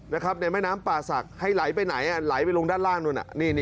นะครับในแม่น้ำป่าสักให้ไหลไปไหนลายไปลงด้านล่างนู้น